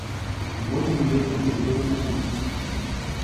Вот он идет по коридору на кухню.